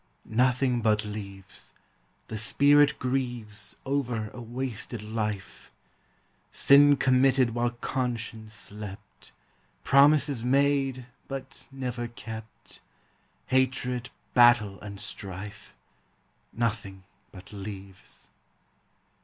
Nothing but leaves; the spirit grieves Over a wasted life; Sin committed while conscience slept, Promises made, but never kept, Hatred, battle, and strife; Xotliiny hut leaves!